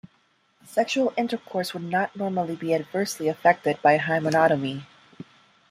Sexual intercourse would not normally be adversely afftected by a hymenotomy.